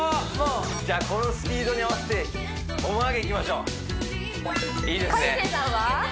じゃあこのスピードに合わせてモモ上げいきましょういいですね